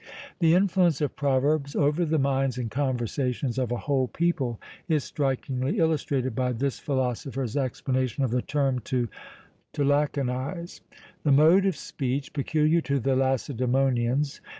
The influence of proverbs over the minds and conversations of a whole people is strikingly illustrated by this philosopher's explanation of the term to laconise, the mode of speech peculiar to the Lacedæmonians.